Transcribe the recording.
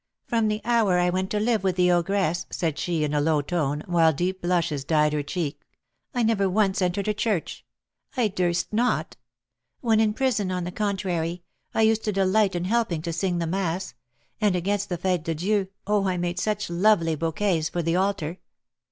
"From the hour I went to live with the ogress," said she, in a low tone, while deep blushes dyed her cheek, "I never once entered a church, I durst not. When in prison, on the contrary, I used to delight in helping to sing the mass; and, against the Fête Dieu, oh, I made such lovely bouquets for the altar!"